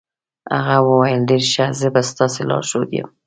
هغه وویل ډېر ښه، زه به ستاسې لارښود یم.